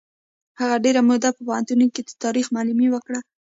هغه ډېره موده په پوهنتونونو کې د تاریخ معلمي وکړه.